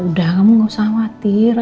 udah kamu gak usah khawatir